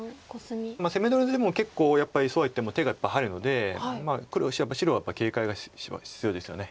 攻め取りでも結構やっぱりそうはいっても手が入るので白は警戒が必要ですよね。